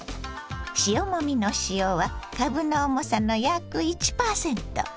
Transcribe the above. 塩もみの塩はかぶの重さの約１％。